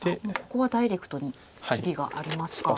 ここはダイレクトに切りがありますか。